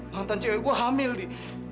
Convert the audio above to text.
mantan cewek gue hamil nih